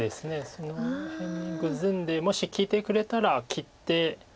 その辺にグズんでもし利いてくれたら切って。